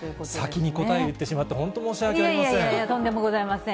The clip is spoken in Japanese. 先に答え言ってしまって、本当、申し訳ありません。